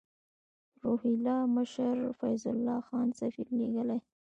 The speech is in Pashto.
روهیله مشر فیض الله خان سفیر لېږلی.